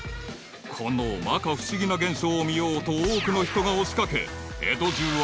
［このまか不思議な現象を見ようと多くの人が押し掛け］